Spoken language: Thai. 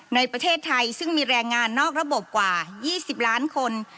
ในประเทศไทยซึ่งมีแรงงานนอกระบบกว่า๒๐ล้านคน